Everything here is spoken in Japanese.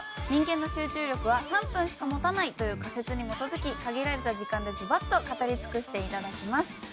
人間の集中力は３分しか持たないという仮説に基づき限られた時間でズバッと語り尽くして頂きます。